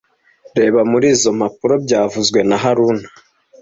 Reba muri izo mpapuro byavuzwe na haruna